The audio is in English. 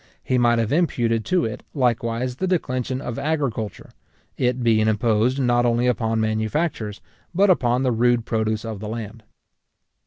He might have imputed to it, likewise, the declension of agriculture, it being imposed not only upon manufactures, but upon the rude produce of the land.